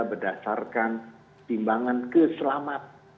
berdasarkan timbangan keselamat